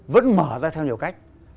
vẫn mở ra theo nhiều cách